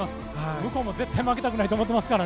向こうも絶対負けたくないと思ってますから。